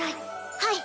はい。